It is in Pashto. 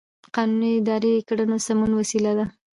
قانون د اداري کړنو د سمون وسیله ده.